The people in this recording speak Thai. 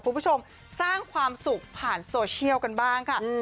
คุณผู้ชมสร้างความสุขผ่านโซเชียลกันบ้างค่ะ